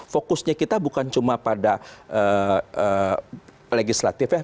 fokusnya kita bukan cuma pada legislatif ya